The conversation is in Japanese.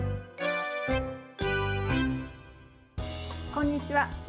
こんにちは。